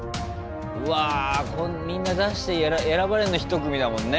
うわみんな出して選ばれんの１組だもんね。